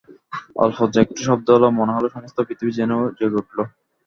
অল্প যে একটু শব্দ হল, মনে হল সমস্ত পৃথিবী যেন জেগে উঠল।